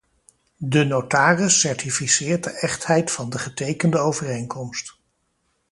De notaris certificeert de echtheid van de getekende overeenkomst.